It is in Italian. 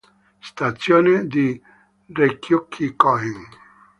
Stazione di Ryokuchi-kōen